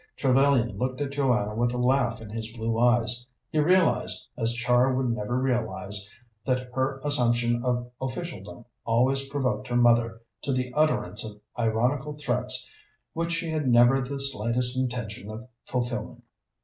Trevellyan looked at Joanna with a laugh in his blue eyes. He realized, as Char would never realize, that her assumption of officialdom always provoked her mother to the utterance of ironical threats which she had never the slightest intention of fulfilling.